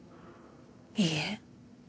いいえ。